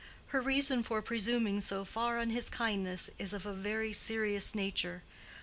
Her reason for presuming so far on his kindness is of a very serious nature.